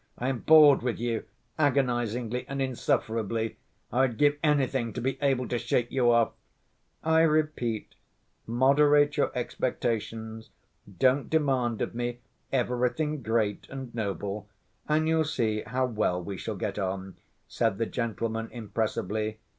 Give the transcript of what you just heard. "I am bored with you, agonizingly and insufferably. I would give anything to be able to shake you off!" "I repeat, moderate your expectations, don't demand of me 'everything great and noble' and you'll see how well we shall get on," said the gentleman impressively.